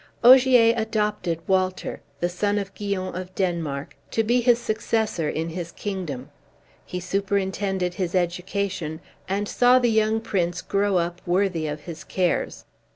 Ogier adopted Walter, the son of Guyon of Denmark, to be his successor in his kingdom. He superintended his education, and saw the young prince grow up worthy of his cares.